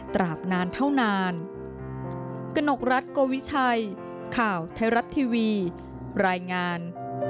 ตราบนานเท่านาน